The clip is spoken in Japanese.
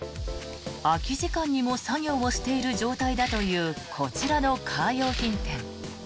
空き時間にも作業をしている状態だというこちらのカー用品店。